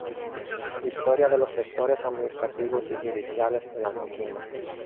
Historia de los Gestores Administrativos y Judiciales en Argentina